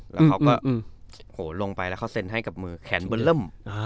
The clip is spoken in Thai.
แล้วเขาก็โหลงไปแล้วเขาเซ็นให้กับมือแขนบนเริ่ม